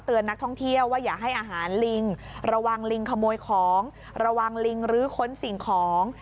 นักท่องเที่ยวว่าอย่าให้อาหารลิงระวังลิงขโมยของระวังลิงรื้อค้นสิ่งของ